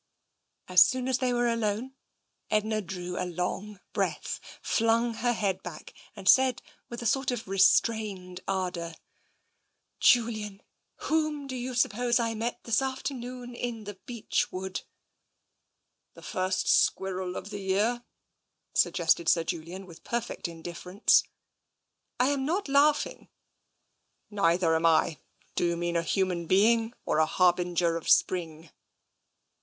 As soon as they were alone, Edna drew a long breath. \ 254 TENSION flung her head back, and said with a sort of restrained ardour :" Julian, whom do you suppose I met this afternoon in the beech wood? '' "The first squirrel of the year,'' suggested Sir Julian, with perfect indifference. I am not laughing." Neither am I. Do you mean a human being, or a harbinger of spring